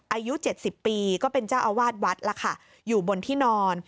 อายุ๗๐ปีก็เป็นเจ้าอาวาสวัดล่ะค่ะอยู่บนที่นอน